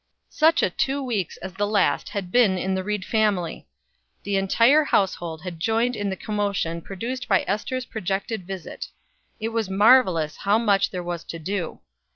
Such a two weeks as the last had been in the Ried family! The entire household had joined in the commotion produced by Ester's projected visit. It was marvelous how much there was to do.